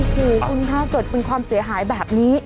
คือคุณถ้าเกิดเป็นความเสียหายแบบนี้